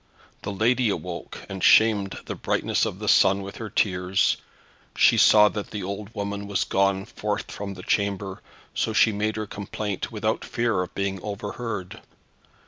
The lady awoke, and shamed the brightness of the sun with her tears. She saw that the old woman was gone forth from the chamber, so she made her complaint without fear of being overheard.